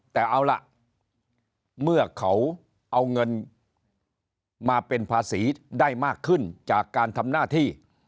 แต่เอาล่ะเมื่อเขาเอาเงินมาเป็นภาษีได้มากขึ้นจากการทำหน้าที่